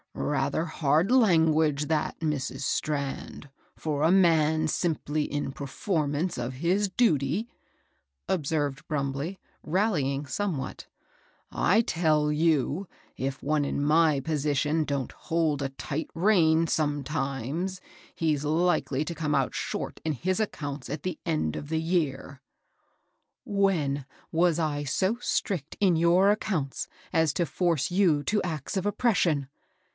'*^^ Rather hard language that, Mrs. Strand, for a man simply in performance of his dat^l" ^ 404 MABEL m088» sentd Bnimbley, rallying somewhat ^* I tell joo^ if one in my position doesn't hold a tight rem sometimes, he's Ukely to come out short in his ac counts at the end of the year." " When was Iso strict in your accounts as to force you to acts of oppression?"